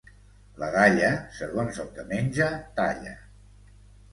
La dalla, segons el que menja, talla.